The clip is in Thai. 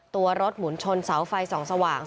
ตัวรถหมุนชนเสาไฟส่องสว่าง